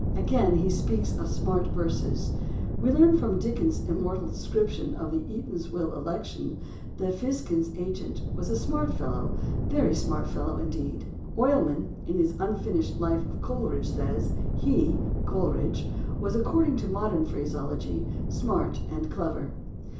Again he speaks of "smart verses" (vol. II, p. 451). We learn from THE ORIGIN OF CERTAIN AMERICANISMS 257 Dickens's immortal description of the Eatanswill elec tion that Fizkin's agent was a "smart fellow; very smart fellow indeed." Oilman in his unfinished Life of Coleridge says (p. 259), "he (Coleridge) was accord ing to modern phraseology 'smart and clever.'